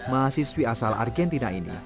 mahasiswi asal argentina ini